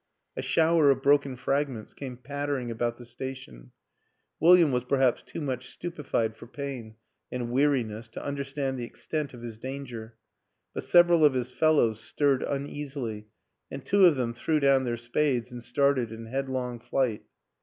A shower of broken fragments came pattering about the station ; Wil liam was perhaps too much stupefied by pain and weariness to understand the extent of his danger but several of his fellows stirred uneasily and two of them threw down their spades and started in headlong flight.